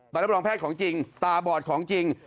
รับรองแพทย์ของจริงตาบอดของจริง